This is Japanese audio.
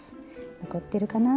残ってるかな？